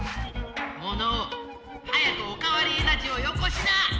モノオ早くおかわりエナジーをよこしな！